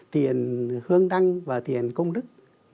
tiền hương đăng và tiền công đức